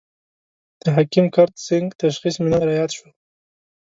د حکیم کرت سېنګ تشخیص مې نن را ياد شو.